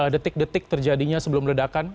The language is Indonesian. detik detik terjadinya sebelum ledakan